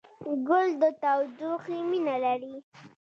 ګل د تودوخې مینه لري.